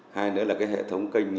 hai nữa là hệ thống kênh